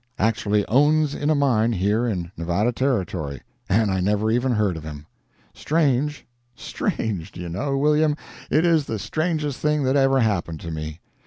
Actually owns in a mine here in Nevada Territory, and I never even heard of him. Strange—strange—do you know, William, it is the strangest thing that ever happened to me?